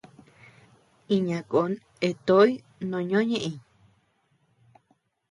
Iña koón eatoʼóy noo ñoʼó ñëʼeñ.